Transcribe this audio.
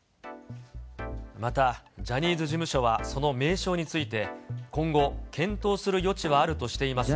またジャニーズ事務所は、その名称について、今後、検討する余地はあるとしていますが。